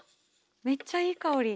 めっちゃいい香り。